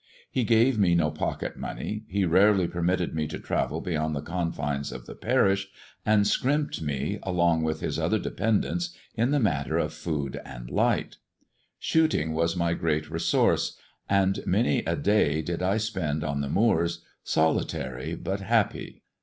He gave me no pocket money, he rarely permitted me to travel beyond the confines of the parish, and scrimped me, along with his other dependents, in the matter of food and light THE DEAD MANS DIAMONDS 199 Shooting was mj great resotirce, and many a day did L spend on the moors, solitary but happy.